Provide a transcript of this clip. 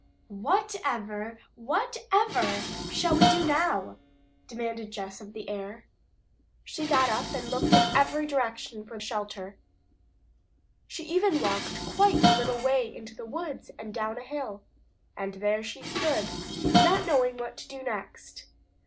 "Whatever, whatever shall we do now?" demanded Jess of the air. She got up and looked in every direction for shelter. She even walked quite a little way into the woods, and down a hill. And there she stood, not knowing what to do next.